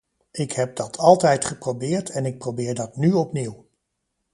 Ik heb dat altijd geprobeerd en ik probeer dat nu opnieuw.